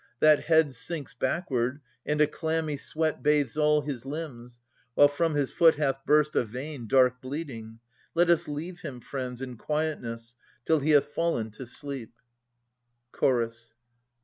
That head sinks backward, and a clammy sweat Bathes all his limbs, while from his foot hath burst A vein, dark bleeding. Let us leave him, friends. In quietness, till he hath fallen to sleep. Chorus.